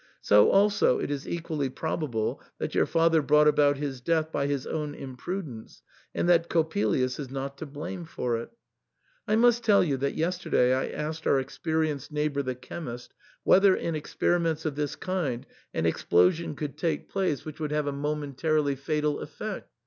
So also it is equally probable that your father brought about his death by feis own imprudence, and that Coppelius is not to blame for it. I must tell you that yesterday I asked our ex perienced neighbour, the chemist, whether in experi ments of this kind an explosion could take place which THE SAND^MAir. ite would have a momentarily fatal effect.